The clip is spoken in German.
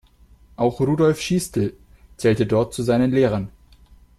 Auch Rudolf Schiestl zählte dort zu seinen Lehrern.